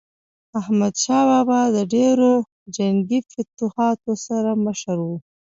احمدشاه بابا د ډیرو جنګي فتوحاتو مشر و.